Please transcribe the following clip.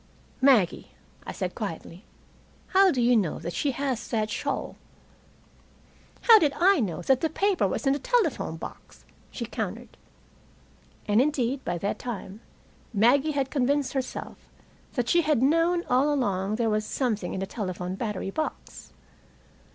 "Maggie," I said quietly, "how do you know she has that shawl?" "How did I know that paper was in the telephone box?" she countered. And, indeed, by that time Maggie had convinced herself that she had known all along there was something in the telephone battery box.